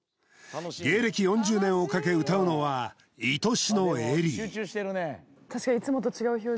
芸歴４０年をかけ歌うのは「いとしのエリー」